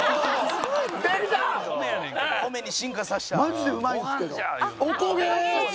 マジでうまいんですけど！